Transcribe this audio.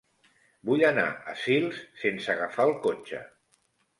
Vull anar a Sils sense agafar el cotxe.